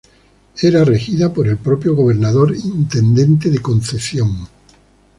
Era regida por el propio Gobernador Intendente de Concepción.